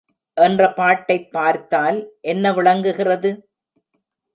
என்ற பாட்டைப் பார்த்தால் என்ன விளங்குகிறது?